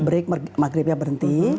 break maghribnya berhenti